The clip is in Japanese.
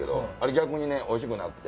逆においしくなくて。